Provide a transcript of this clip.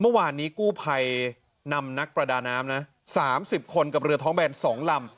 เมื่อวานนี้กู้ภัยนำนักประดาน้ำนะ๓๐คนกับเรือท้องแบน๒ลำ